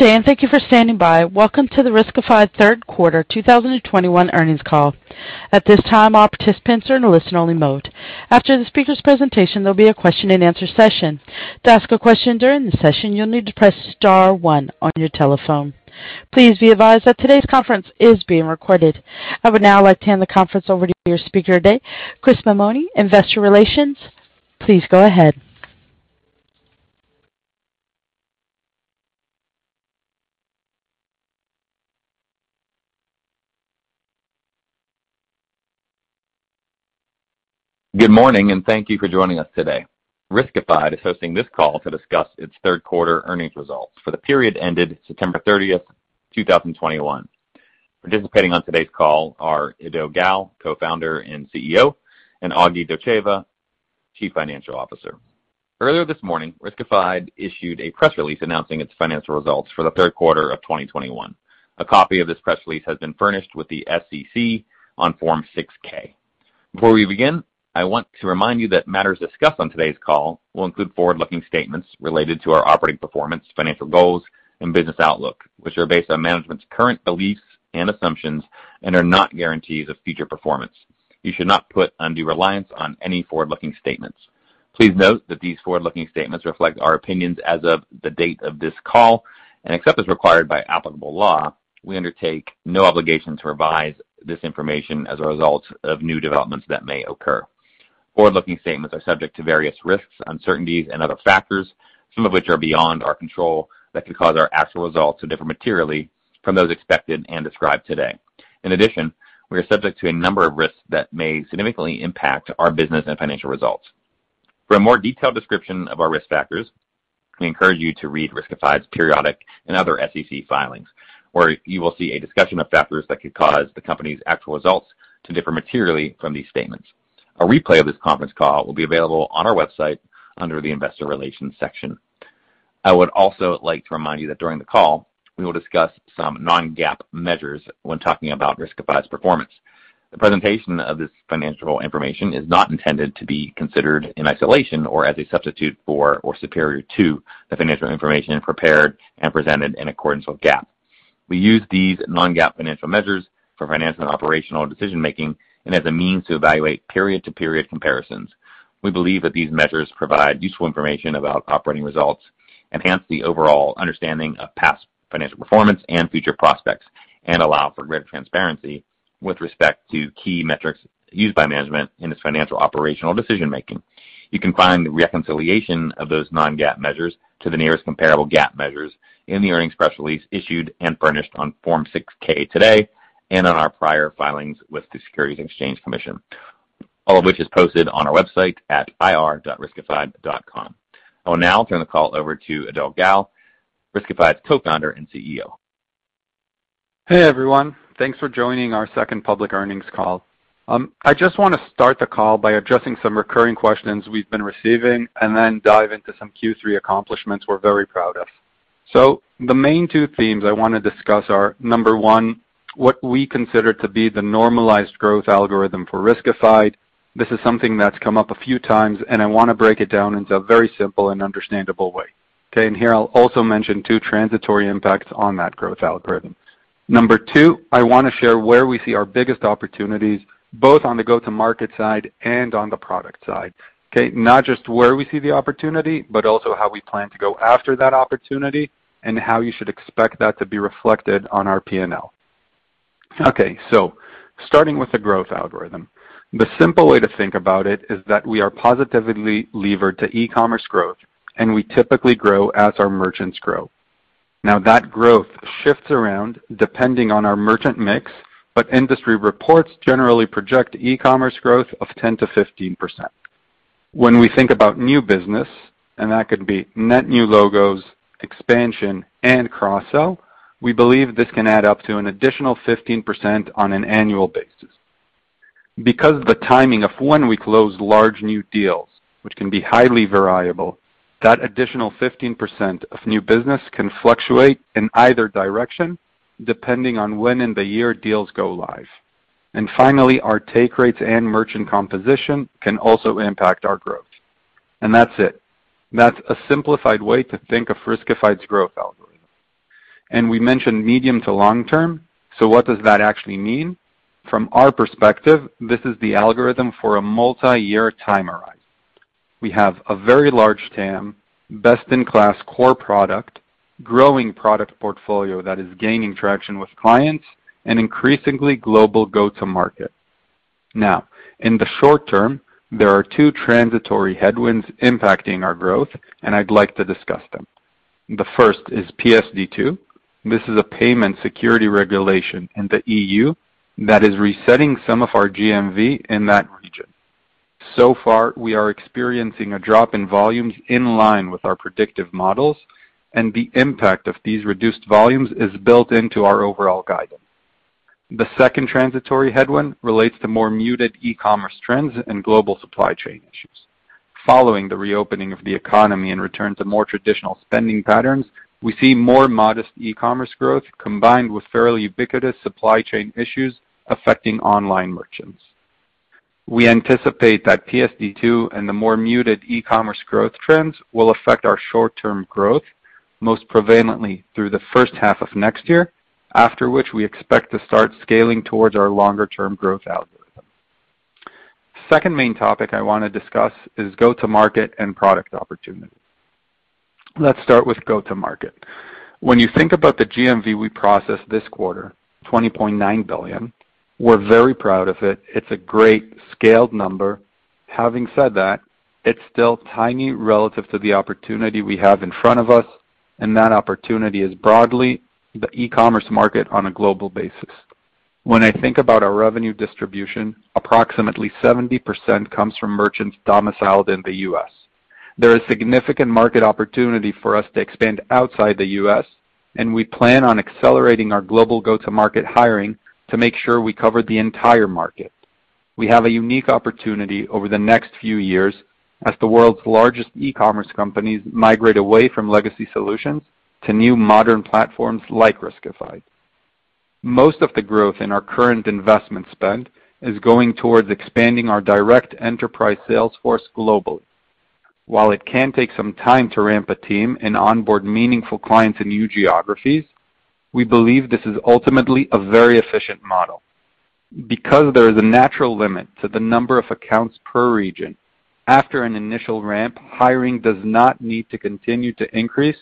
Good day, and thank you for standing by. Welcome to the Riskified third quarter 2021 earnings call. At this time, all participants are in a listen only mode. After the speaker's presentation, there'll be a question and answer session. To ask a question during the session, you'll need to press star one on your telephone. Please be advised that today's conference is being recorded. I would now like to hand the conference over to your speaker today, Chett Mandel, Investor Relations. Please go ahead. Good morning, and thank you for joining us today. Riskified is hosting this call to discuss its third quarter earnings results for the period ended September 30th, 2021. Participating on today's call are Eido Gal, Co-Founder and CEO, and Aglika Dotcheva, Chief Financial Officer. Earlier this morning, Riskified issued a press release announcing its financial results for the third quarter of 2021. A copy of this press release has been furnished with the SEC on Form 6-K. Before we begin, I want to remind you that matters discussed on today's call will include forward-looking statements related to our operating performance, financial goals and business outlook, which are based on management's current beliefs and assumptions and are not guarantees of future performance. You should not put undue reliance on any forward-looking statements. Please note that these forward-looking statements reflect our opinions as of the date of this call, and except as required by applicable law, we undertake no obligation to revise this information as a result of new developments that may occur. Forward-looking statements are subject to various risks, uncertainties and other factors, some of which are beyond our control that could cause our actual results to differ materially from those expected and described today. In addition, we are subject to a number of risks that may significantly impact our business and financial results. For a more detailed description of our risk factors, we encourage you to read Riskified's periodic and other SEC filings, where you will see a discussion of factors that could cause the company's actual results to differ materially from these statements. A replay of this conference call will be available on our website under the Investor Relations section. I would also like to remind you that during the call we will discuss some non-GAAP measures when talking about Riskified's performance. The presentation of this financial information is not intended to be considered in isolation or as a substitute for or superior to the financial information prepared and presented in accordance with GAAP. We use these non-GAAP financial measures for financial and operational decision-making and as a means to evaluate period-to-period comparisons. We believe that these measures provide useful information about operating results, enhance the overall understanding of past financial performance and future prospects, and allow for greater transparency with respect to key metrics used by management in its financial operational decision making. You can find the reconciliation of those non-GAAP measures to the nearest comparable GAAP measures in the earnings press release issued and furnished on Form 6-K today and on our prior filings with the U.S. Securities and Exchange Commission, all of which is posted on our website at ir.riskified.com. I will now turn the call over to Eido Gal, Riskified's Co-Founder and CEO. Hey, everyone. Thanks for joining our second public earnings call. I just wanna start the call by addressing some recurring questions we've been receiving and then dive into some Q3 accomplishments we're very proud of. The main two themes I wanna discuss are, number one, what we consider to be the normalized growth algorithm for Riskified. This is something that's come up a few times, and I wanna break it down into a very simple and understandable way, okay? Here I'll also mention two transitory impacts on that growth algorithm. Number two, I wanna share where we see our biggest opportunities, both on the go-to-market side and on the product side. Okay? Not just where we see the opportunity, but also how we plan to go after that opportunity and how you should expect that to be reflected on our P&L. Okay, starting with the growth algorithm, the simple way to think about it is that we are positively levered to e-commerce growth, and we typically grow as our merchants grow. Now, that growth shifts around depending on our merchant mix, but industry reports generally project e-commerce growth of 10%-15%. When we think about new business, and that could be net new logos, expansion and cross-sell, we believe this can add up to an additional 15% on an annual basis. Because the timing of when we close large new deals, which can be highly variable, that additional 15% of new business can fluctuate in either direction, depending on when in the year deals go live. Finally, our take rates and merchant composition can also impact our growth. That's it. That's a simplified way to think of Riskified's growth algorithm. We mentioned medium- to long-term, so what does that actually mean? From our perspective, this is the algorithm for a multi-year upside. We have a very large TAM, best-in-class core product, growing product portfolio that is gaining traction with clients, and increasingly global go-to-market. Now, in the short term, there are two transitory headwinds impacting our growth, and I'd like to discuss them. The first is PSD2. This is a payment security regulation in the E.U. that is resetting some of our GMV in that region. So far, we are experiencing a drop in volumes in line with our predictive models, and the impact of these reduced volumes is built into our overall guidance. The second transitory headwind relates to more muted e-commerce trends and global supply chain issues. Following the reopening of the economy and return to more traditional spending patterns, we see more modest e-commerce growth combined with fairly ubiquitous supply chain issues affecting online merchants. We anticipate that PSD2 and the more muted e-commerce growth trends will affect our short-term growth most prevalently through the first half of next year, after which we expect to start scaling towards our longer-term growth algorithm. Second main topic I wanna discuss is go-to-market and product opportunities. Let's start with go-to-market. When you think about the GMV we processed this quarter, $20.9 billion, we're very proud of it. It's a great scaled number. Having said that, it's still tiny relative to the opportunity we have in front of us, and that opportunity is broadly the e-commerce market on a global basis. When I think about our revenue distribution, approximately 70% comes from merchants domiciled in the U.S. There is significant market opportunity for us to expand outside the U.S., and we plan on accelerating our global go-to-market hiring to make sure we cover the entire market. We have a unique opportunity over the next few years as the world's largest e-commerce companies migrate away from legacy solutions to new modern platforms like Riskified. Most of the growth in our current investment spend is going towards expanding our direct enterprise sales force globally. While it can take some time to ramp a team and onboard meaningful clients in new geographies, we believe this is ultimately a very efficient model. Because there is a natural limit to the number of accounts per region, after an initial ramp, hiring does not need to continue to increase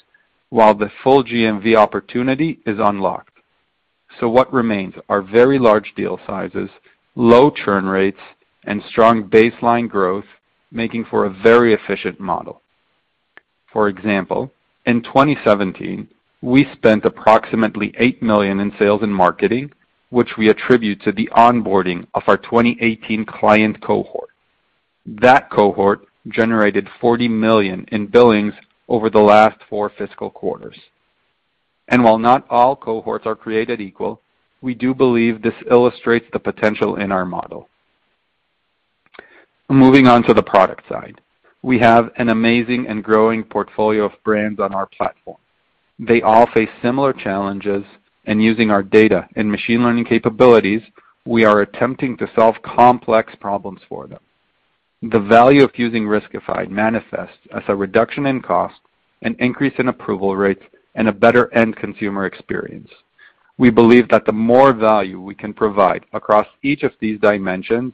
while the full GMV opportunity is unlocked. What remains are very large deal sizes, low churn rates, and strong baseline growth, making for a very efficient model. For example, in 2017, we spent approximately $8 million in sales and marketing, which we attribute to the onboarding of our 2018 client cohort. That cohort generated $40 million in billings over the last four fiscal quarters. While not all cohorts are created equal, we do believe this illustrates the potential in our model. Moving on to the product side. We have an amazing and growing portfolio of brands on our platform. They all face similar challenges, and using our data and machine learning capabilities, we are attempting to solve complex problems for them. The value of using Riskified manifests as a reduction in cost, an increase in approval rates, and a better end consumer experience. We believe that the more value we can provide across each of these dimensions,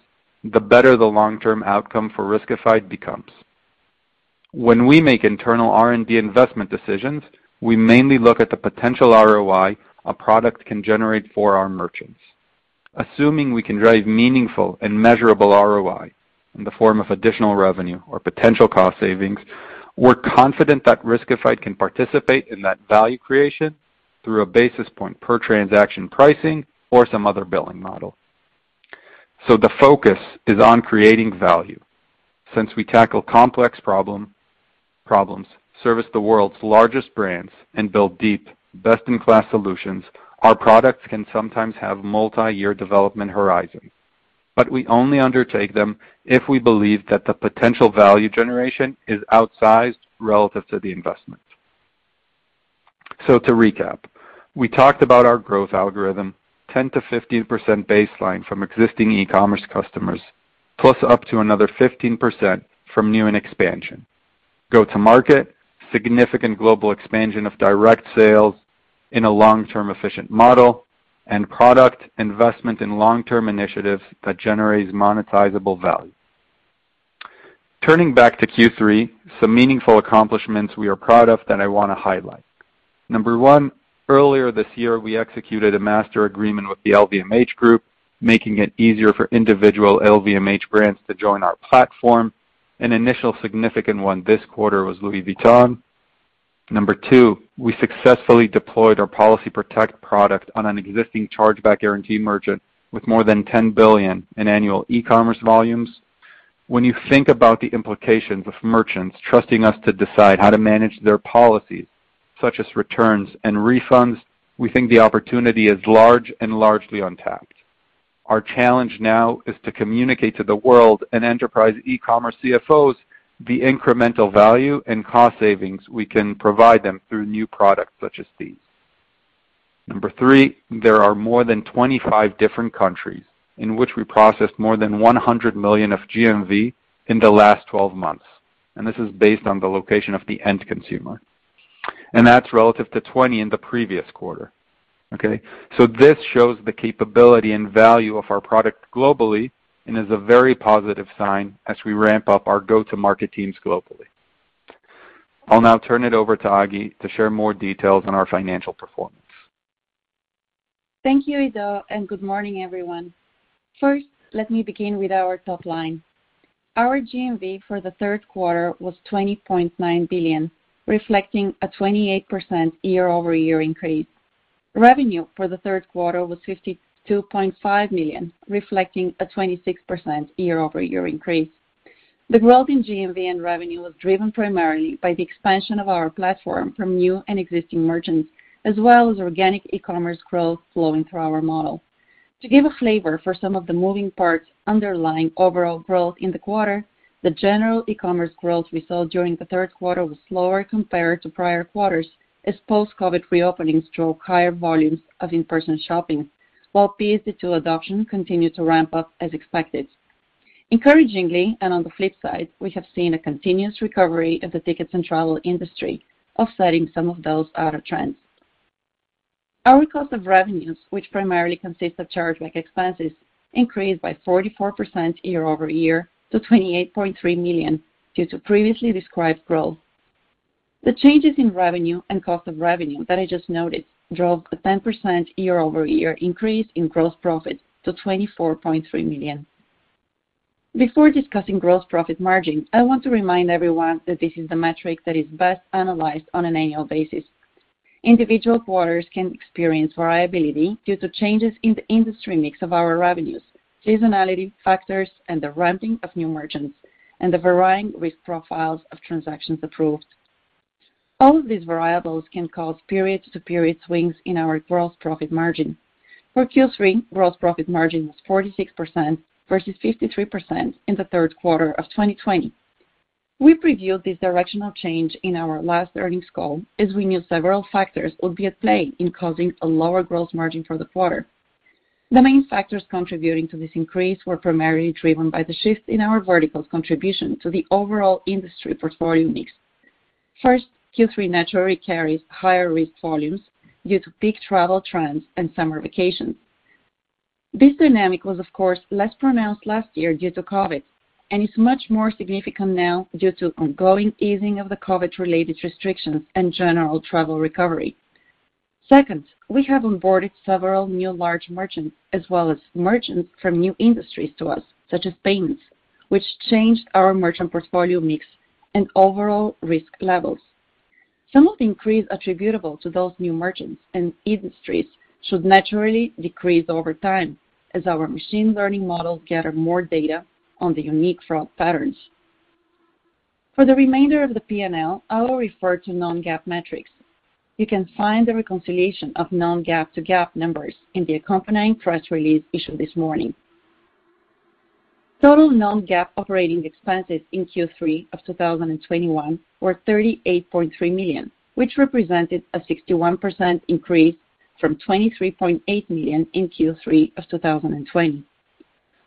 the better the long-term outcome for Riskified becomes. When we make internal R&D investment decisions, we mainly look at the potential ROI a product can generate for our merchants. Assuming we can drive meaningful and measurable ROI in the form of additional revenue or potential cost savings, we're confident that Riskified can participate in that value creation through a basis point per transaction pricing or some other billing model. The focus is on creating value. Since we tackle complex problems, serve the world's largest brands, and build deep, best-in-class solutions, our products can sometimes have multiyear development horizons. We only undertake them if we believe that the potential value generation is outsized relative to the investment. To recap, we talked about our growth algorithm, 10%-15% baseline from existing e-commerce customers, plus up to another 15% from new and expansion. Go-to-market, significant global expansion of direct sales in a long-term efficient model, and product investment in long-term initiatives that generates monetizable value. Turning back to Q3, some meaningful accomplishments we are proud of that I wanna highlight. Number one, earlier this year, we executed a master agreement with the LVMH group, making it easier for individual LVMH brands to join our platform. An initial significant one this quarter was Louis Vuitton. Number two, we successfully deployed our Policy Protect product on an existing Chargeback Guarantee merchant with more than $10 billion in annual e-commerce volumes. When you think about the implications of merchants trusting us to decide how to manage their policies, such as returns and refunds, we think the opportunity is large and largely untapped. Our challenge now is to communicate to the world and enterprise e-commerce CFOs the incremental value and cost savings we can provide them through new products such as these. Number three, there are more than 25 different countries in which we processed more than 100 million of GMV in the last 12 months. This is based on the location of the end consumer. That's relative to 20 in the previous quarter, okay? This shows the capability and value of our product globally and is a very positive sign as we ramp up our go-to-market teams globally. I'll now turn it over to Agli to share more details on our financial performance. Thank you, Eido, and good morning, everyone. First, let me begin with our top line. Our GMV for the third quarter was $20.9 billion, reflecting a 28% year-over-year increase. Revenue for the third quarter was $52.5 million, reflecting a 26% year-over-year increase. The growth in GMV and revenue was driven primarily by the expansion of our platform from new and existing merchants, as well as organic e-commerce growth flowing through our model. To give a flavor for some of the moving parts underlying overall growth in the quarter, the general e-commerce growth we saw during the third quarter was slower compared to prior quarters as post-COVID reopenings drove higher volumes of in-person shopping, while PSD2 adoption continued to ramp up as expected. Encouragingly, and on the flip side, we have seen a continuous recovery of the tickets and travel industry, offsetting some of those other trends. Our cost of revenues, which primarily consists of chargeback expenses, increased by 44% year-over-year to $28.3 million due to previously described growth. The changes in revenue and cost of revenue that I just noted drove the 10% year-over-year increase in gross profit to $24.3 million. Before discussing gross profit margin, I want to remind everyone that this is the metric that is best analyzed on an annual basis. Individual quarters can experience variability due to changes in the industry mix of our revenues, seasonality factors, and the ramping of new merchants, and the varying risk profiles of transactions approved. All of these variables can cause period-to-period swings in our gross profit margin. For Q3, gross profit margin was 46% versus 53% in the third quarter of 2020. We previewed this directional change in our last earnings call as we knew several factors would be at play in causing a lower gross margin for the quarter. The main factors contributing to this increase were primarily driven by the shift in our vertical's contribution to the overall industry portfolio mix. First, Q3 naturally carries higher risk volumes due to peak travel trends and summer vacations. This dynamic was, of course, less pronounced last year due to COVID, and is much more significant now due to ongoing easing of the COVID-related restrictions and general travel recovery. Second, we have onboarded several new large merchants, as well as merchants from new industries to us, such as payments, which changed our merchant portfolio mix and overall risk levels. Some of the increase attributable to those new merchants and industries should naturally decrease over time as our machine learning model gathers more data on the unique fraud patterns. For the remainder of the P&L, I will refer to non-GAAP metrics. You can find the reconciliation of non-GAAP to GAAP numbers in the accompanying press release issued this morning. Total non-GAAP operating expenses in Q3 of 2021 were $38.3 million, which represented a 61% increase from $23.8 million in Q3 of 2020.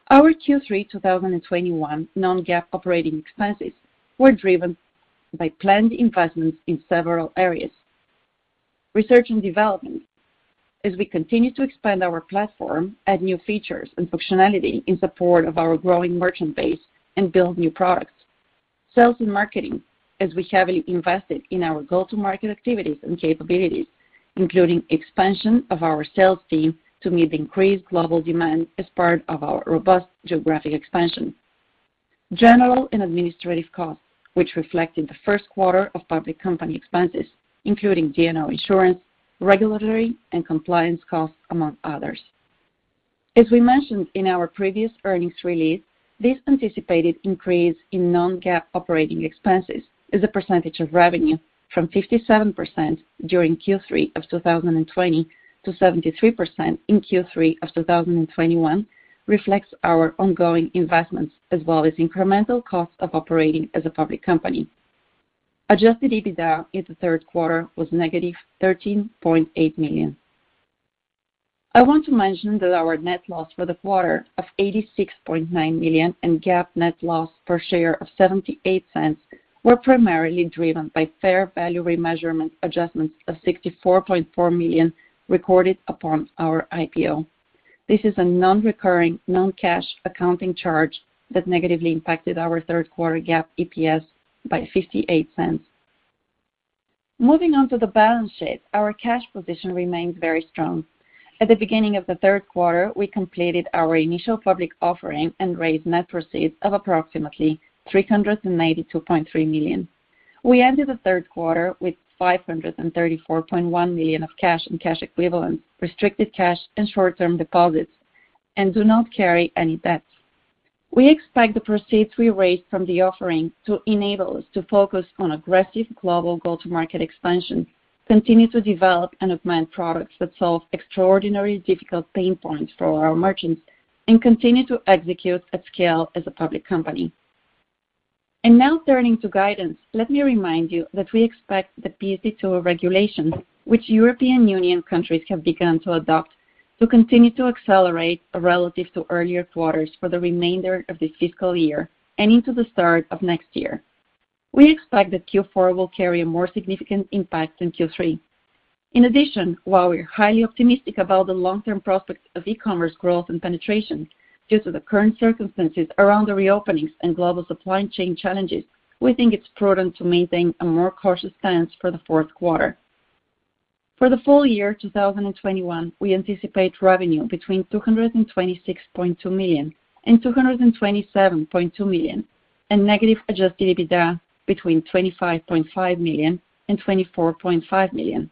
Our Q3 2021 non-GAAP operating expenses were driven by planned investments in several areas. Research and development, as we continue to expand our platform, add new features and functionality in support of our growing merchant base, and build new products. Sales and marketing, as we heavily invested in our go-to-market activities and capabilities, including expansion of our sales team to meet the increased global demand as part of our robust geographic expansion. General and administrative costs, which reflected the first quarter of public company expenses, including D&O insurance, regulatory, and compliance costs, among others. As we mentioned in our previous earnings release, this anticipated increase in non-GAAP operating expenses as a percentage of revenue from 57% during Q3 of 2020 to 73% in Q3 of 2021 reflects our ongoing investments as well as incremental costs of operating as a public company. Adjusted EBITDA in the third quarter was -$13.8 million. I want to mention that our net loss for the quarter of $86.9 million and GAAP net loss per share of $0.78 were primarily driven by fair value remeasurement adjustments of $64.4 million recorded upon our IPO. This is a non-recurring, non-cash accounting charge that negatively impacted our third quarter GAAP EPS by $0.58. Moving on to the balance sheet, our cash position remains very strong. At the beginning of the third quarter, we completed our initial public offering and raised net proceeds of approximately $392.3 million. We ended the third quarter with $534.1 million of cash and cash equivalents, restricted cash, and short-term deposits, and do not carry any debts. We expect the proceeds we raised from the offering to enable us to focus on aggressive global go-to-market expansion, continue to develop and augment products that solve extraordinarily difficult pain points for our merchants, and continue to execute at scale as a public company. Now turning to guidance, let me remind you that we expect the PSD2 regulation, which European Union countries have begun to adopt, to continue to accelerate relative to earlier quarters for the remainder of this fiscal year and into the start of next year. We expect that Q4 will carry a more significant impact than Q3. In addition, while we're highly optimistic about the long-term prospects of e-commerce growth and penetration due to the current circumstances around the reopenings and global supply chain challenges, we think it's prudent to maintain a more cautious stance for the fourth quarter. For the full year 2021, we anticipate revenue between $226.2 million and $227.2 million, and negative Adjusted EBITDA between $25.5 million and $24.5 million.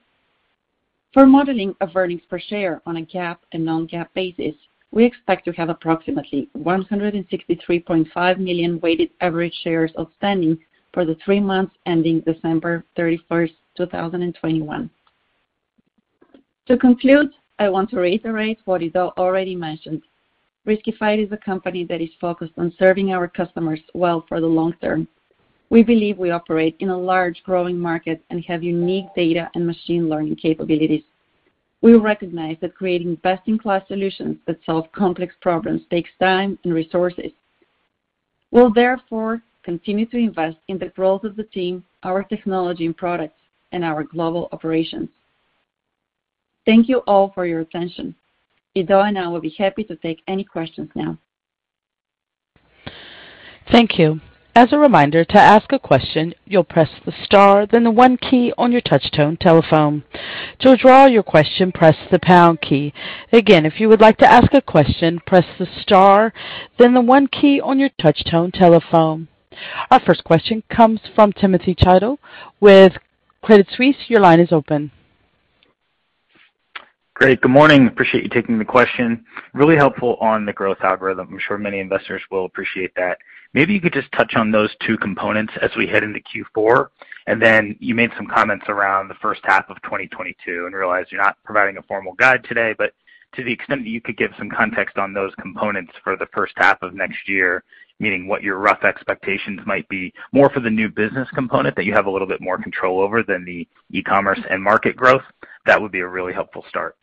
For modeling of earnings per share on a GAAP and non-GAAP basis, we expect to have approximately 163.5 million weighted average shares outstanding for the three months ending December 31st, 2021. To conclude, I want to reiterate what Eido already mentioned. Riskified is a company that is focused on serving our customers well for the long term. We believe we operate in a large growing market and have unique data and machine learning capabilities. We recognize that creating best-in-class solutions that solve complex problems takes time and resources. We'll therefore continue to invest in the growth of the team, our technology and products, and our global operations. Thank you all for your attention. Eido and I will be happy to take any questions now. Thank you. As a reminder, to ask a question, you'll press the star, then the one key on your touch tone telephone. To withdraw your question, press the pound key. Again, if you would like to ask a question, press the star, then the one key on your touch tone telephone. Our first question comes from Timothy Chiodo with Credit Suisse. Your line is open. Great. Good morning. Appreciate you taking the question. Really helpful on the growth algorithm. I'm sure many investors will appreciate that. Maybe you could just touch on those two components as we head into Q4. You made some comments around the first half of 2022, and realize you're not providing a formal guide today, but to the extent that you could give some context on those components for the first half of next year, meaning what your rough expectations might be more for the new business component that you have a little bit more control over than the e-commerce and market growth, that would be a really helpful start.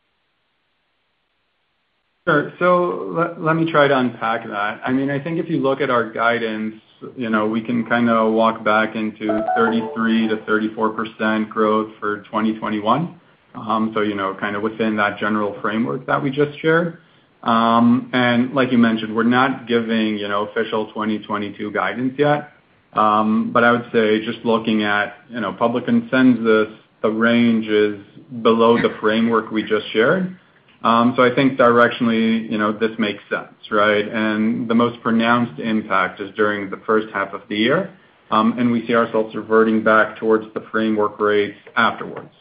Sure. Let me try to unpack that. I mean, I think if you look at our guidance, you know, we can kinda walk back into 33%-34% growth for 2021. Kind of within that general framework that we just shared. Like you mentioned, we're not giving, you know, official 2022 guidance yet. I would say just looking at, you know, public consensus, the range is below the framework we just shared. I think directionally, you know, this makes sense, right? The most pronounced impact is during the first half of the year, and we see ourselves reverting back towards the framework rates afterwards,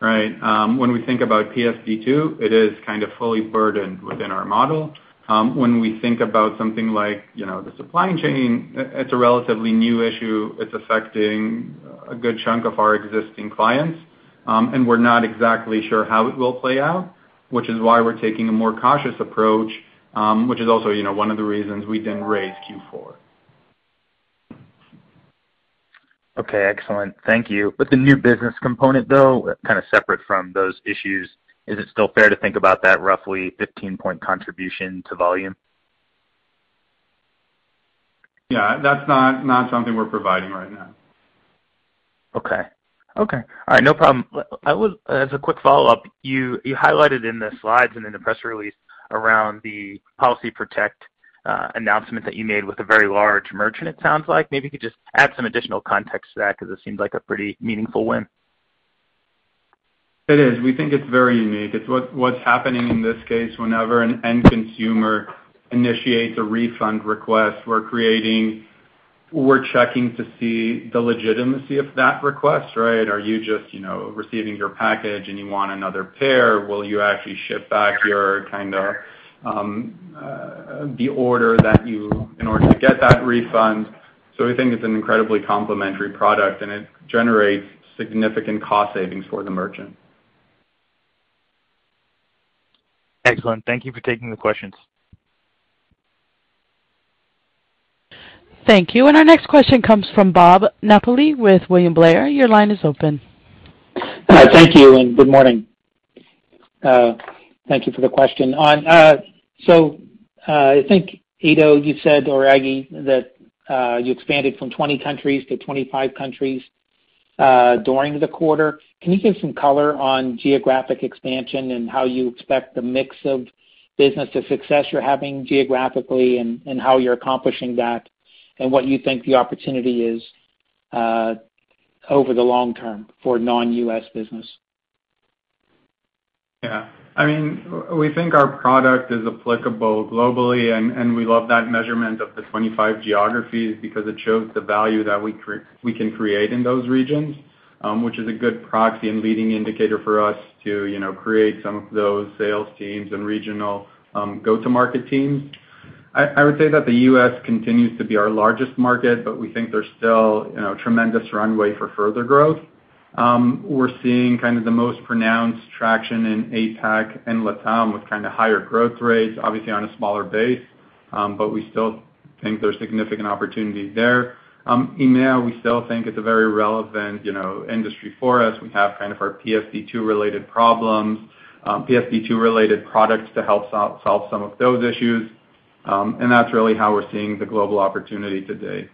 right? When we think about PSD2, it is kind of fully burdened within our model. When we think about something like, you know, the supply chain, it's a relatively new issue. It's affecting a good chunk of our existing clients, and we're not exactly sure how it will play out, which is why we're taking a more cautious approach, which is also, you know, one of the reasons we didn't raise Q4. Okay. Excellent. Thank you. The new business component, though, kind of separate from those issues, is it still fair to think about that roughly 15-point contribution to volume? Yeah, that's not something we're providing right now. Okay. Okay. All right. No problem. As a quick follow-up, you highlighted in the slides and in the press release around the Policy Protect announcement that you made with a very large merchant, it sounds like. Maybe you could just add some additional context to that because it seems like a pretty meaningful win. It is. We think it's very unique. It's what's happening in this case, whenever an end consumer initiates a refund request, we're checking to see the legitimacy of that request, right? Are you just, you know, receiving your package and you want another pair? Will you actually ship back the order in order to get that refund? We think it's an incredibly complementary product, and it generates significant cost savings for the merchant. Excellent. Thank you for taking the questions. Thank you. Our next question comes from Bob Napoli with William Blair. Your line is open. Hi. Thank you, and good morning. Thank you for the question. I think, Eido, you said or Aglika, that you expanded from 20 countries to 25 countries during the quarter. Can you give some color on geographic expansion and how you expect the mix of business, the success you're having geographically and how you're accomplishing that, and what you think the opportunity is over the long term for non-U.S. business? Yeah. I mean, we think our product is applicable globally, and we love that measurement of the 25 geographies because it shows the value that we can create in those regions, which is a good proxy and leading indicator for us to, you know, create some of those sales teams and regional, go-to-market teams. I would say that the U.S. continues to be our largest market, but we think there's still, you know, tremendous runway for further growth. We're seeing kind of the most pronounced traction in APAC and LATAM with kinda higher growth rates, obviously on a smaller base, but we still think there's significant opportunity there. EMEA, we still think it's a very relevant, you know, industry for us. We have kind of our PSD2 related problems, PSD2 related products to help solve some of those issues. That's really how we're seeing the global opportunity today.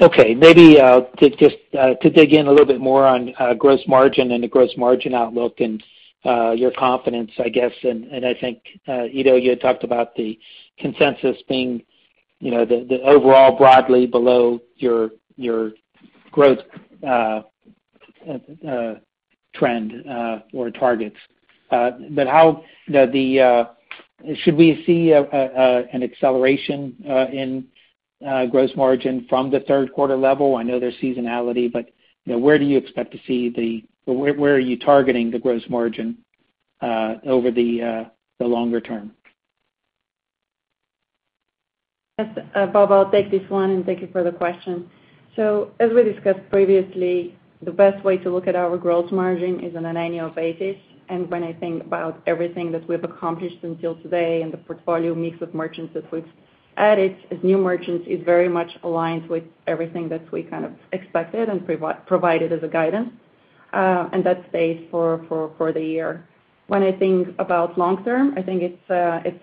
Okay. Maybe to just to dig in a little bit more on gross margin and the gross margin outlook and your confidence, I guess. I think, Eido, you had talked about the consensus being, you know, the overall broadly below your growth trend or targets. Should we see an acceleration in gross margin from the third quarter level? I know there's seasonality, but, you know, where are you targeting the gross margin over the longer term? Yes. Bob, I'll take this one, and thank you for the question. As we discussed previously, the best way to look at our gross margin is on an annual basis. When I think about everything that we've accomplished until today and the portfolio mix of merchants that we've added as new merchants is very much aligned with everything that we kind of expected and provided as a guidance. That's based for the year. When I think about long term, I think it's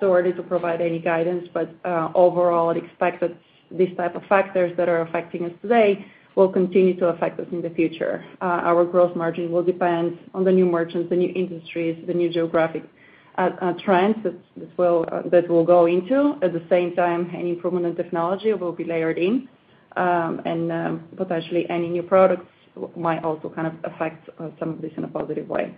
too early to provide any guidance, but overall, I'd expect that these type of factors that are affecting us today will continue to affect us in the future. Our gross margin will depend on the new merchants, the new industries, the new geographic trends that we'll go into. At the same time, any improvement in technology will be layered in, and potentially any new products might also kind of affect some of this in a positive way.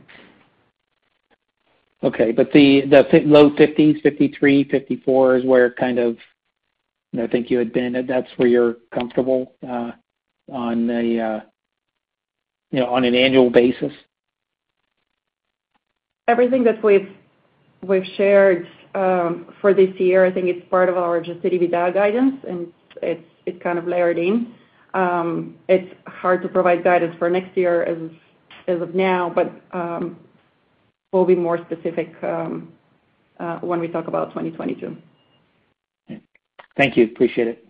Okay. The low 50%, 53%, 54% is where, kind of, you know, I think you had been. That's where you're comfortable, you know, on an annual basis? Everything that we've shared for this year, I think it's part of our Adjusted EBITDA guidance, and it's kind of layered in. It's hard to provide guidance for next year as of now, but we'll be more specific when we talk about 2022. Thank you. Appreciate it.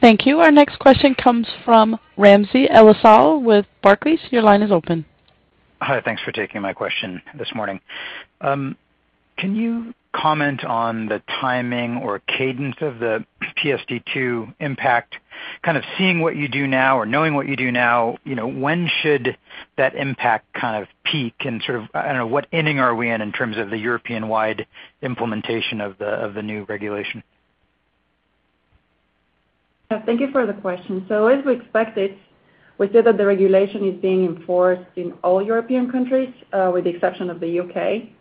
Thank you. Our next question comes from Ramsey El-Assal with Barclays. Your line is open. Hi. Thanks for taking my question this morning. Can you comment on the timing or cadence of the PSD2 impact, kind of seeing what you do now or knowing what you do now, you know, when should that impact kind of peak and sort of, I don't know, what inning are we in terms of the European-wide implementation of the new regulation? Yeah. Thank you for the question. As we expected, we said that the regulation is being enforced in all European countries, with the exception of the U.K.,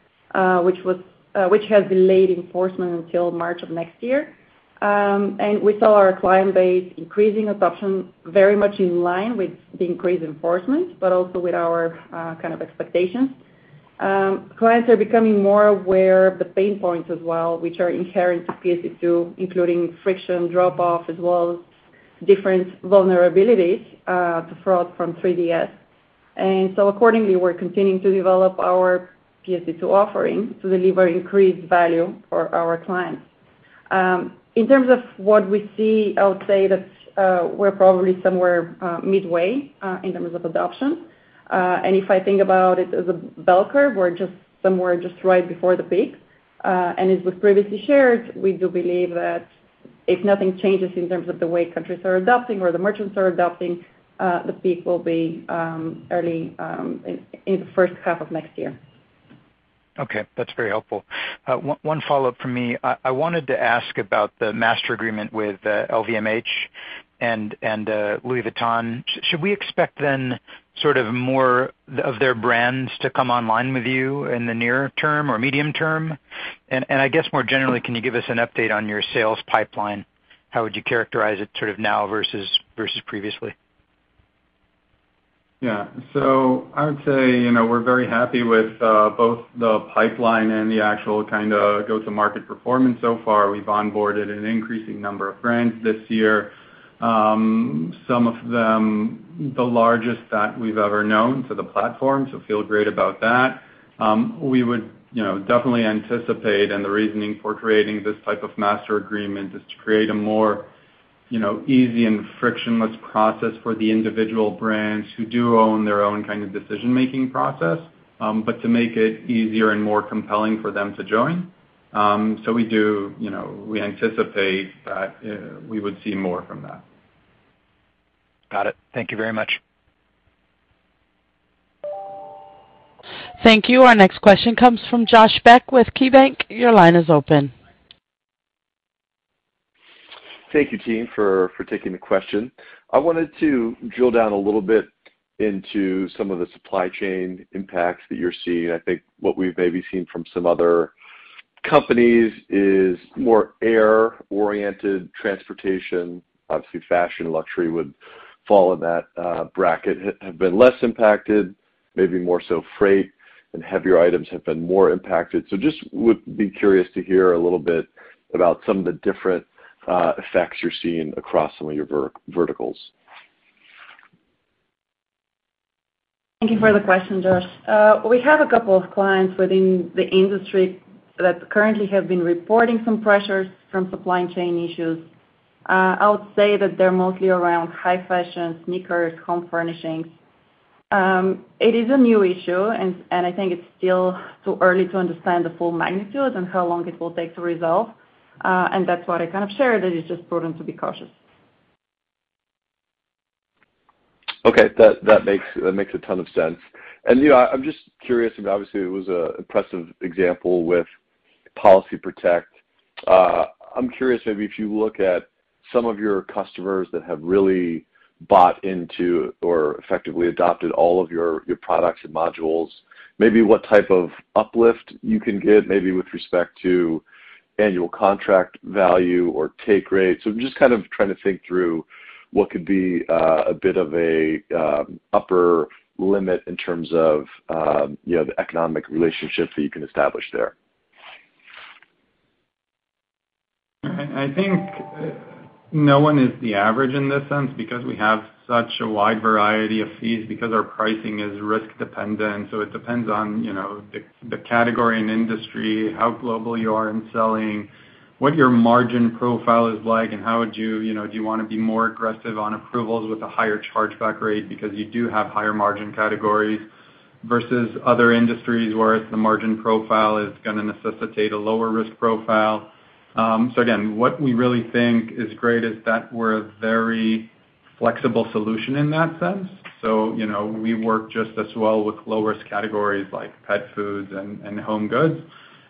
which has delayed enforcement until March of next year. We saw our client base increasing adoption very much in line with the increased enforcement, but also with our kind of expectations. Clients are becoming more aware of the pain points as well, which are inherent to PSD2, including friction, drop-off, as well as different vulnerabilities to fraud from 3DS. Accordingly, we're continuing to develop our PSD2 offering to deliver increased value for our clients. In terms of what we see, I would say that we're probably somewhere midway in terms of adoption. If I think about it as a bell curve, we're just somewhere just right before the peak. As was previously shared, we do believe that if nothing changes in terms of the way countries are adopting or the merchants are adopting, the peak will be early in the first half of next year. Okay. That's very helpful. One follow-up from me. I wanted to ask about the master agreement with LVMH and Louis Vuitton. Should we expect then sort of more of their brands to come online with you in the near term or medium term? I guess more generally, can you give us an update on your sales pipeline? How would you characterize it sort of now versus previously? Yeah. I would say, you know, we're very happy with both the pipeline and the actual kinda go-to-market performance so far. We've onboarded an increasing number of brands this year, some of them the largest that we've ever known to the platform, so feel great about that. We would, you know, definitely anticipate, and the reasoning for creating this type of master agreement is to create a more, you know, easy and frictionless process for the individual brands who do own their own kind of decision-making process, but to make it easier and more compelling for them to join. We do, you know, we anticipate that, we would see more from that. Got it. Thank you very much. Thank you. Our next question comes from Josh Beck with KeyBank. Your line is open. Thank you, team, for taking the question. I wanted to drill down a little bit into some of the supply chain impacts that you're seeing. I think what we've maybe seen from some other companies is more air-oriented transportation. Obviously, fashion, luxury would fall in that bracket, have been less impacted, maybe more so freight and heavier items have been more impacted. Just would be curious to hear a little bit about some of the different effects you're seeing across some of your verticals. Thank you for the question, Josh. We have a couple of clients within the industry that currently have been reporting some pressures from supply chain issues. I would say that they're mostly around high fashion, sneakers, home furnishings. It is a new issue and I think it's still too early to understand the full magnitude and how long it will take to resolve. That's what I kind of shared, that it's just prudent to be cautious. That makes a ton of sense. You know, I'm just curious, and obviously it was a impressive example with Policy Protect. I'm curious maybe if you look at some of your customers that have really bought into or effectively adopted all of your products and modules, maybe what type of uplift you can get maybe with respect to annual contract value or take rate. I'm just kind of trying to think through what could be a bit of a upper limit in terms of you know, the economic relationship that you can establish there. I think no one is the average in this sense because we have such a wide variety of fees because our pricing is risk dependent. It depends on, you know, the category and industry, how global you are in selling, what your margin profile is like and how would you know, do you wanna be more aggressive on approvals with a higher chargeback rate because you do have higher margin categories? Versus other industries where the margin profile is gonna necessitate a lower risk profile. Again, what we really think is great is that we're a very flexible solution in that sense. You know, we work just as well with low-risk categories like pet foods and home goods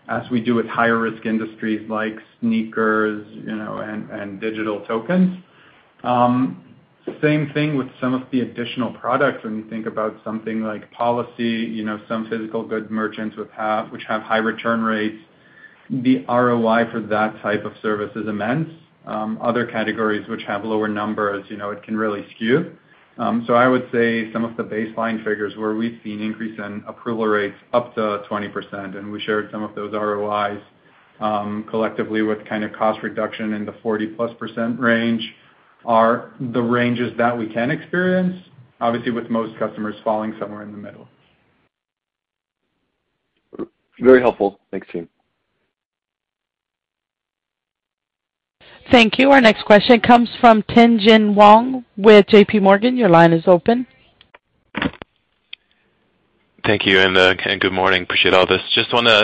as we do with higher risk industries like sneakers, you know, and digital tokens. Same thing with some of the additional products. When you think about something like policy, you know, some physical goods merchants which have high return rates, the ROI for that type of service is immense. Other categories which have lower numbers, you know, it can really skew. I would say some of the baseline figures where we've seen increase in approval rates up to 20%, and we shared some of those ROIs, collectively with kind of cost reduction in the 40+% range are the ranges that we can experience, obviously with most customers falling somewhere in the middle. Very helpful. Thanks, team. Thank you. Our next question comes from Tien-Tsin Huang with JP Morgan. Your line is open. Thank you and good morning. Appreciate all this. Just on, I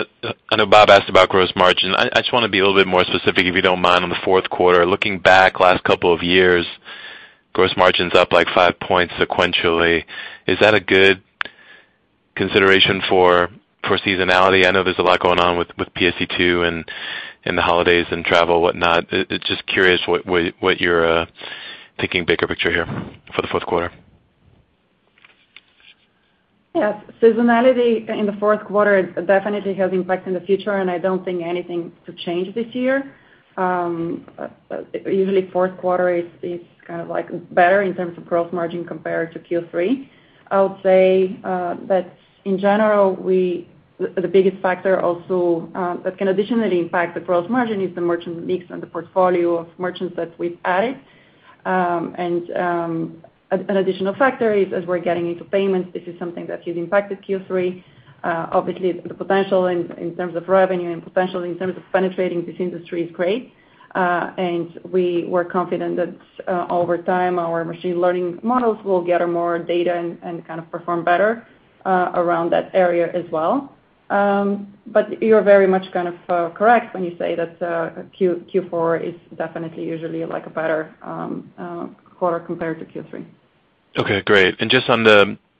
know Bob asked about gross margin. I just wanna be a little bit more specific, if you don't mind, on the fourth quarter. Looking back last couple of years, gross margins up like five points sequentially. Is that a good consideration for seasonality? I know there's a lot going on with PSD2 and the holidays and travel, whatnot. Just curious what you're thinking bigger picture here for the fourth quarter. Yes. Seasonality in the fourth quarter definitely has an impact on the future, and I don't think there's anything to change this year. Usually fourth quarter is kind of like better in terms of gross margin compared to Q3. I would say, but in general, the biggest factor also that can additionally impact the gross margin is the merchant mix and the portfolio of merchants that we've added. An additional factor is as we're getting into payments, this is something that has impacted Q3. Obviously the potential in terms of revenue and potential in terms of penetrating this industry is great. We were confident that over time, our machine learning models will gather more data and kind of perform better around that area as well. You're very much kind of correct when you say that Q4 is definitely usually like a better quarter compared to Q3. Okay, great.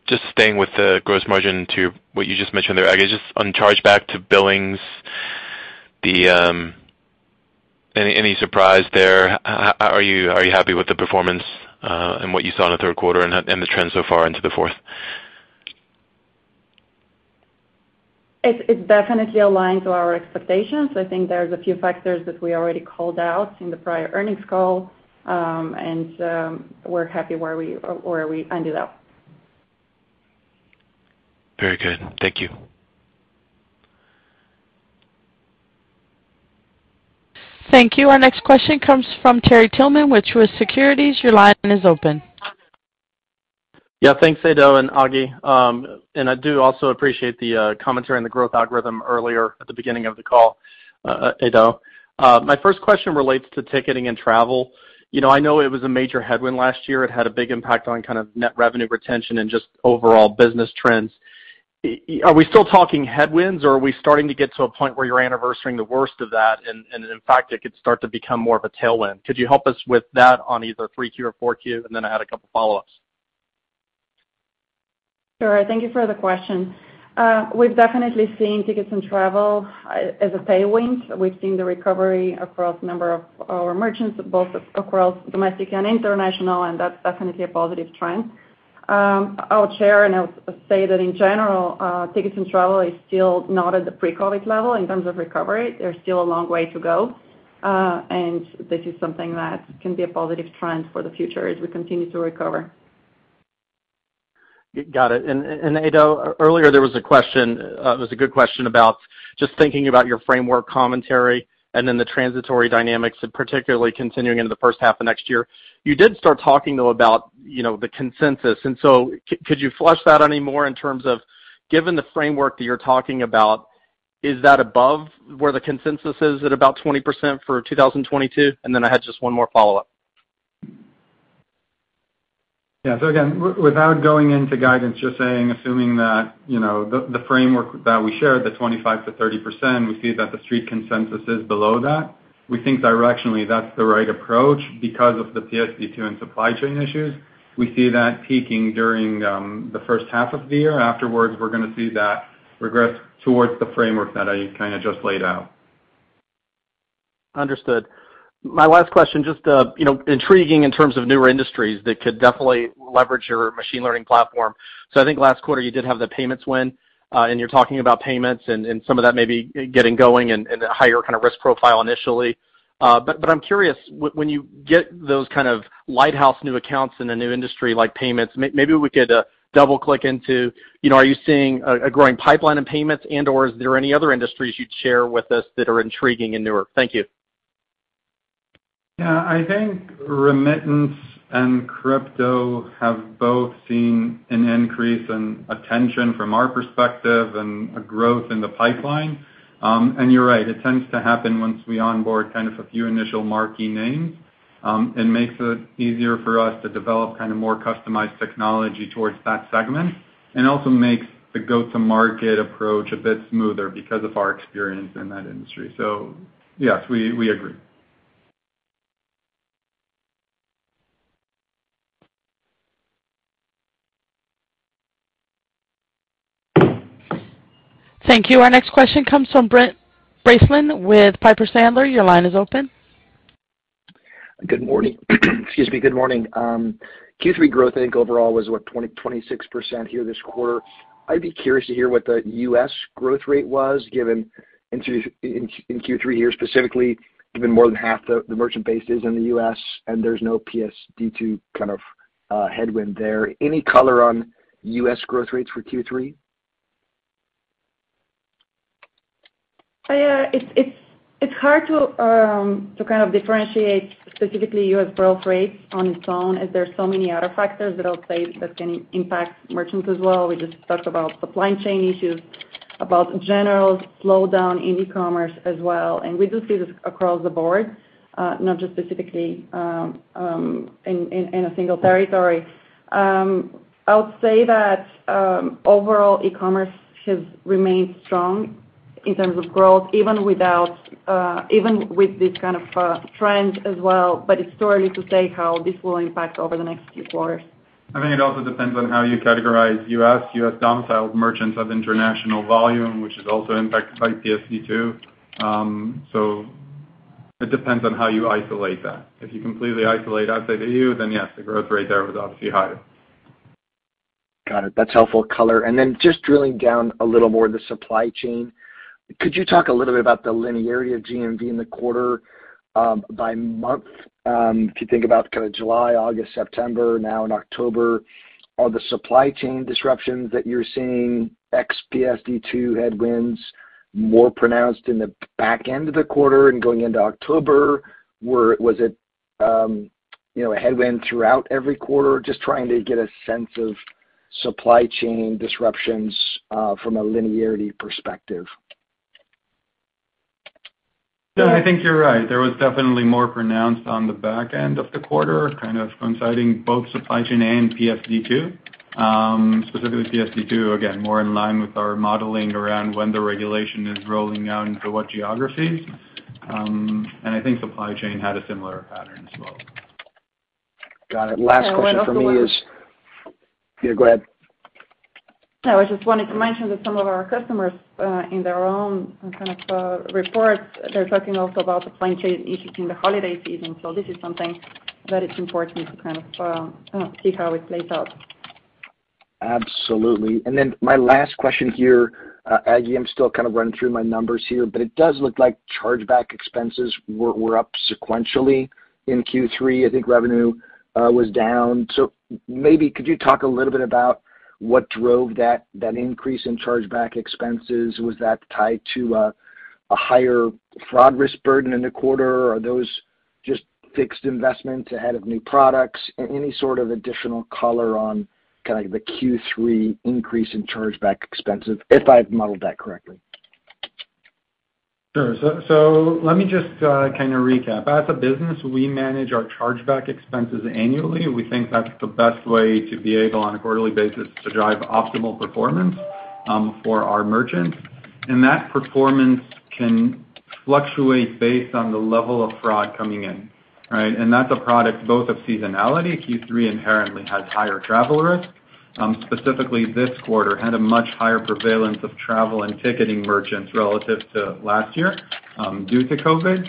Just staying with the gross margin to what you just mentioned there, just on chargeback to billings. Any surprise there? Are you happy with the performance, and what you saw in the third quarter and the trends so far into the fourth? It definitely aligns with our expectations. I think there's a few factors that we already called out in the prior earnings call, and we're happy where we ended up. Very good. Thank you. Thank you. Our next question comes from Terry Tillman with Truist Securities. Your line is open. Yeah, thanks, Eido and Aglika, and I do also appreciate the commentary on the growth algorithm earlier at the beginning of the call, Eido. My first question relates to ticketing and travel. You know, I know it was a major headwind last year. It had a big impact on kind of net revenue retention and just overall business trends. Are we still talking headwinds, or are we starting to get to a point where you're anniversarying the worst of that, and in fact, it could start to become more of a tailwind? Could you help us with that on either 3Q or 4Q? And then I had a couple follow-ups. Sure. Thank you for the question. We've definitely seen tickets and travel as a tailwind. We've seen the recovery across a number of our merchants, both across domestic and international, and that's definitely a positive trend. I would share and I'll say that in general, tickets and travel is still not at the pre-COVID level in terms of recovery. There's still a long way to go, and this is something that can be a positive trend for the future as we continue to recover. Got it. Eido, earlier there was a question, it was a good question about just thinking about your framework commentary and then the transitory dynamics, and particularly continuing into the first half of next year. You did start talking, though, about, you know, the consensus. Could you flesh that any more in terms of, given the framework that you're talking about, is that above where the consensus is at about 20% for 2022? I had just one more follow-up. Yeah. Again, without going into guidance, just saying assuming that, you know, the framework that we shared, the 25%-30%, we see that the Street consensus is below that. We think directionally that's the right approach because of the PSD2 and supply chain issues. We see that peaking during the first half of the year. Afterwards, we're gonna see that regress towards the framework that I kind of just laid out. Understood. My last question, just, you know, intriguing in terms of newer industries that could definitely leverage your machine learning platform. I think last quarter you did have the payments win, and you're talking about payments and some of that may be getting going and a higher kind of risk profile initially. I'm curious, when you get those kind of lighthouse new accounts in a new industry like payments, maybe we could double-click into, you know, are you seeing a growing pipeline in payments and/or is there any other industries you'd share with us that are intriguing and newer? Thank you. Yeah. I think remittance and crypto have both seen an increase in attention from our perspective and a growth in the pipeline. You're right, it tends to happen once we onboard kind of a few initial marquee names. It makes it easier for us to develop kind of more customized technology towards that segment, and also makes the go-to-market approach a bit smoother because of our experience in that industry. Yes, we agree. Thank you. Our next question comes from Brent Bracelin with Piper Sandler. Your line is open. Good morning. Excuse me. Good morning. Q3 growth, I think overall was what? 26% here this quarter. I'd be curious to hear what the U.S. growth rate was given in Q3 here, specifically, given more than half the merchant base is in the U.S. and there's no PSD2 kind of headwind there. Any color on U.S. growth rates for Q3? Yeah. It's hard to kind of differentiate specifically U.S. growth rates on its own as there are so many other factors that I'll say that can impact merchants as well. We just talked about supply chain issues, about general slowdown in ecommerce as well. We do see this across the board, not just specifically in a single territory. I would say that overall, ecommerce has remained strong in terms of growth, even with this kind of trend as well. It's too early to say how this will impact over the next few quarters. I think it also depends on how you categorize U.S. U.S. domiciled merchants have international volume, which is also impacted by PSD2. It depends on how you isolate that. If you completely isolate outside the E.U., then yes, the growth rate there was obviously higher. Got it. That's helpful color. Just drilling down a little more the supply chain. Could you talk a little bit about the linearity of GMV in the quarter by month? If you think about kind of July, August, September, now in October, are the supply chain disruptions that you're seeing ex PSD2 headwinds more pronounced in the back end of the quarter and going into October? Was it, you know, a headwind throughout every quarter? Just trying to get a sense of supply chain disruptions from a linearity perspective. Yeah, I think you're right. There was definitely more pronounced on the back end of the quarter, kind of coinciding both supply chain and PSD2. Specifically PSD2, again, more in line with our modeling around when the regulation is rolling out into what geographies. I think supply chain had a similar pattern as well. Got it. Last question for me is. Yeah. Yeah, go ahead. No, I just wanted to mention that some of our customers, in their own kind of, reports, they're talking also about the supply chain issues in the holiday season. This is something that is important to kind of, see how it plays out. Absolutely. My last question here, Agi, I'm still kind of running through my numbers here, but it does look like chargeback expenses were up sequentially in Q3. I think revenue was down. Maybe could you talk a little bit about what drove that increase in chargeback expenses? Was that tied to a higher fraud risk burden in the quarter? Are those just fixed investments ahead of new products? Any sort of additional color on kinda the Q3 increase in chargeback expenses, if I've modeled that correctly? Sure. Let me just kinda recap. As a business, we manage our chargeback expenses annually. We think that's the best way to be able on a quarterly basis to drive optimal performance for our merchants. That performance can fluctuate based on the level of fraud coming in, right? That's a product both of seasonality. Q3 inherently has higher travel risk. Specifically this quarter had a much higher prevalence of travel and ticketing merchants relative to last year due to COVID.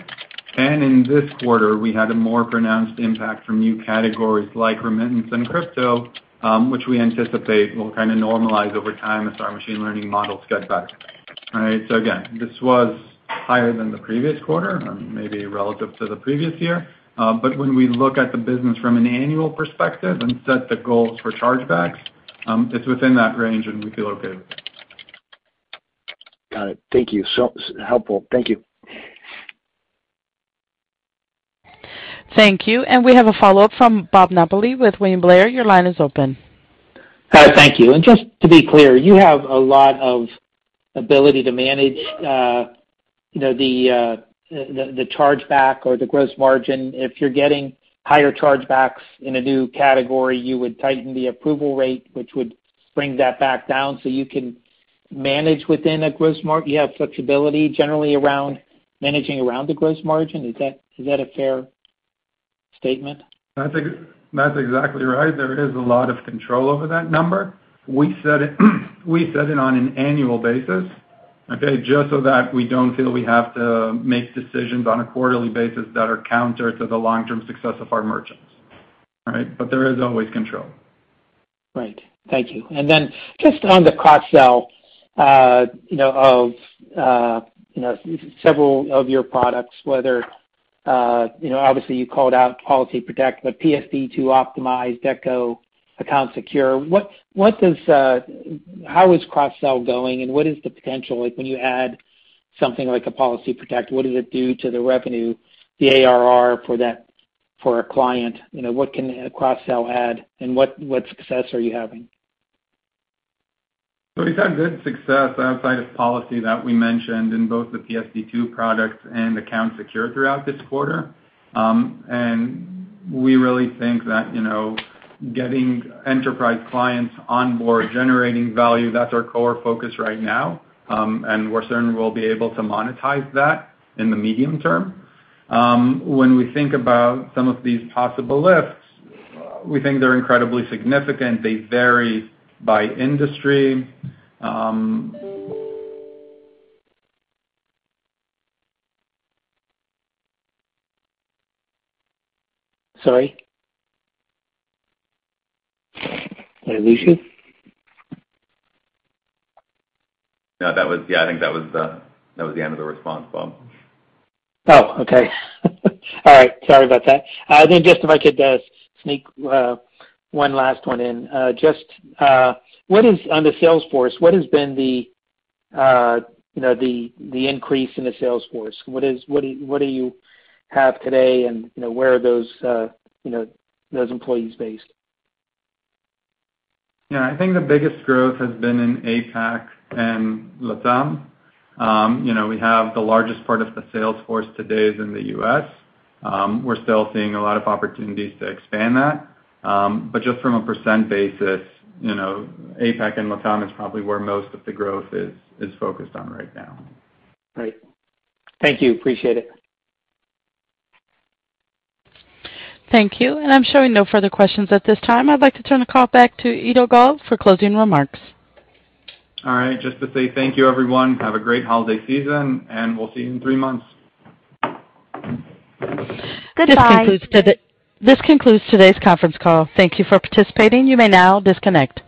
In this quarter, we had a more pronounced impact from new categories like remittance and crypto, which we anticipate will kinda normalize over time as our machine learning models get better, right? Again, this was higher than the previous quarter and maybe relative to the previous year. When we look at the business from an annual perspective and set the goals for chargebacks, it's within that range and we feel okay. Got it. Thank you. So helpful. Thank you. Thank you. We have a follow-up from Bob Napoli with William Blair. Your line is open. Hi. Thank you. Just to be clear, you have a lot of ability to manage the chargeback or the gross margin. If you're getting higher chargebacks in a new category, you would tighten the approval rate, which would bring that back down so you can manage within a gross margin. You have flexibility generally around managing around the gross margin. Is that a fair statement? That's exactly right. There is a lot of control over that number. We set it on an annual basis, okay, just so that we don't feel we have to make decisions on a quarterly basis that are counter to the long-term success of our merchants. All right. There is always control. Right. Thank you. Just on the cross-sell, you know, of several of your products, whether you know, obviously you called out Policy Protect, but PSD2 Optimized Deco Account Secure. How is cross-sell going, and what is the potential? Like, when you add something like a Policy Protect, what does it do to the revenue, the ARR for that, for a client? You know, what can a cross-sell add and what success are you having? We've had good success outside of policy that we mentioned in both the PSD2 products and Account Secure throughout this quarter. We really think that, you know, getting enterprise clients on board, generating value, that's our core focus right now, and we're certain we'll be able to monetize that in the medium term. When we think about some of these possible lifts, we think they're incredibly significant. They vary by industry. Sorry. Did I lose you? No, that was. Yeah, I think that was the end of the response, Bob. Oh, okay. All right. Sorry about that. Just if I could sneak one last one in. Just what is on the sales force, what has been the, you know, the increase in the sales force? What do you have today and, you know, where are those, you know, those employees based? Yeah. I think the biggest growth has been in APAC and LATAM. You know, we have the largest part of the sales force today is in the U.S. We're still seeing a lot of opportunities to expand that. Just from a percent basis, you know, APAC and LATAM is probably where most of the growth is focused on right now. Great. Thank you. I appreciate it. Thank you. I'm showing no further questions at this time. I'd like to turn the call back to Eido Gal for closing remarks. All right, just to say thank you everyone. Have a great holiday season, and we'll see you in three months. Goodbye. This concludes today's conference call. Thank you for participating. You may now disconnect.